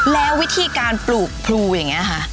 แล้ววิธีการปลูกพลูอย่างนี้ค่ะ